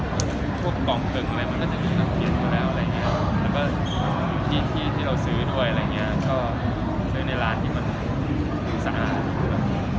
มันก็มีของของเปิงมันก็จะมีน้ำเทียนมาแล้วอะไรอย่างนี้แล้วก็ที่เราซื้อด้วยอะไรอย่างเงี้ยก็ในร้านที่มันสะอาด